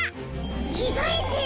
きがえてる！